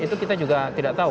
itu kita juga tidak tahu